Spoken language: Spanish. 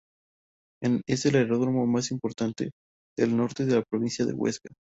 Es el aeródromo más importante del norte de la provincia de Huesca.